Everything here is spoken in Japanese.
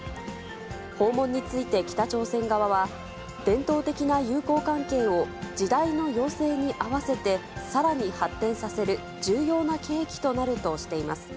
訪問について、北朝鮮側は伝統的な友好関係を時代の要請に合わせてさらに発展させる重要な契機となるとしています。